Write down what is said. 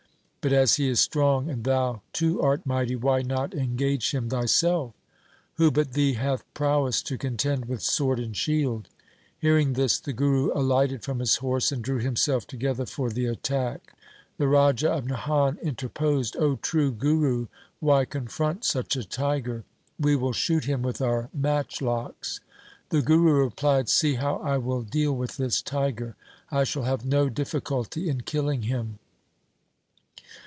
But as he is strong and thou too art mighty, why not engage him thy self ? Who but thee hath prowess to contend with sword and shield ?' Hearing this the Guru alighted from his horse and drew himself together for the attack. The Raja of Nahan interposed :' O true Guru, why confront such a tiger ? We will shoot him with our matchlocks.' The Guru replied, ' See how I will deal with this tiger. I shall have no difficulty in killing him.'